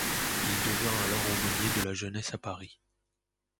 Il devient alors aumônier de la jeunesse à Paris.